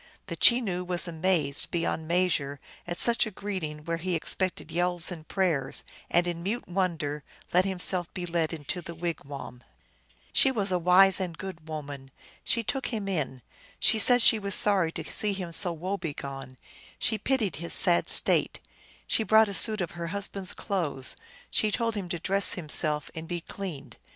The Chenoo was amazed be yond measure at such a greeting where he expected yells and prayers, and in mute wonder let himself be led into the wigwam. She was a wise and good woman. She took him in ; she said she was sorry to see him so woe begone ; she pitied his sad state; she brought a suit of her husband s clothes ; she told him to dress himself and be cleaned.